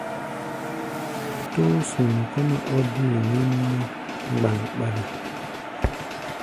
Tóó-sunu kɔ́-mɛ́ ɔ́ dée nyɛ́mná mgbaŋɓale.